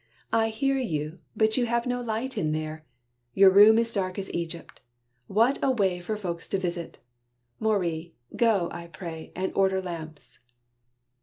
I hear you, but you have no light in there. Your room is dark as Egypt. What a way For folks to visit! Maurie, go, I pray, And order lamps."